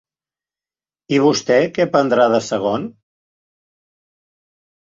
I vostè, què prendrà de segon?